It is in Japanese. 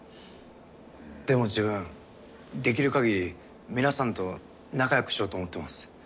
でも自分できるかぎり皆さんと仲よくしようと思ってます。